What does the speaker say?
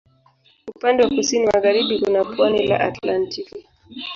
Upande wa kusini magharibi kuna pwani la Atlantiki.